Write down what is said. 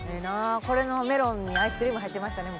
これのメロンにアイスクリーム入ってましたね